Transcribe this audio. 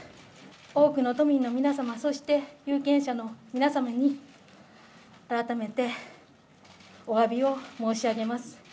多くの都民の皆様、そして有権者の皆様に、改めておわびを申し上げます。